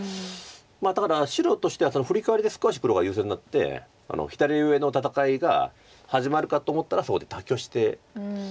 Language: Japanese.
ただ白としてはフリカワリで少し黒が優勢になって左上の戦いが始まるかと思ったらそこで妥協してしまって。